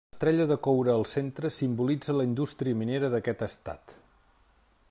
L'estrella de coure al centre simbolitza la indústria minera d'aquest estat.